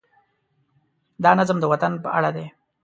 دا نظم د وطن په اړه دی.